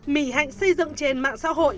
mỹ hạnh xây dựng trên mạng xã hội